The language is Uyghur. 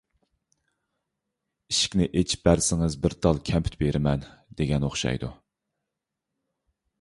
ئىشىكنى ئېچىپ بەرسىڭىز بىر تال كەمپۈت بېرىمەن، دېگەن ئوخشايدۇ.